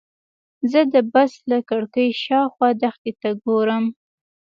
زه د بس له کړکۍ شاوخوا دښتې ته ګورم.